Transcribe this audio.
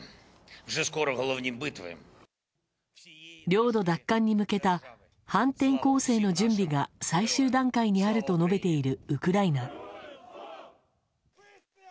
領土奪還に向けた反転攻勢の準備が最終段階にあると述べているウクライナ。